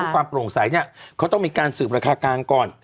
ความโปร่งใสเนี่ยเขาต้องมีการสืบราคากลางก่อน